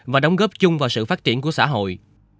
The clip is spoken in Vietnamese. và đóng góp chung vào sự phát triển của xã hội